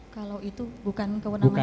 kalau itu bukan kewenangan dari kami